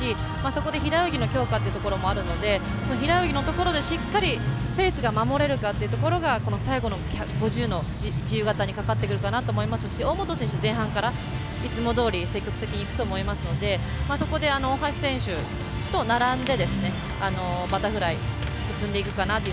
そこで平泳ぎの強化っていうこともあるので平泳ぎのところで、しっかりペースが守れるかというのがこの最後の５０ｍの自由形にかかってくるかなと思いますし大本選手、前半からいつもどおり積極的に思いますのでそこで、大橋選手と並んでバタフライ進んでいくかなと。